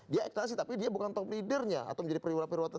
dia ekstasi tapi dia bukan top leadernya atau menjadi perwira perwira